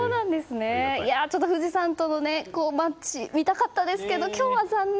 富士山とのマッチを見たかったですけど今日は残念。